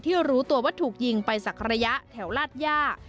รู้ตัวว่าถูกยิงไปสักระยะแถวลาดย่า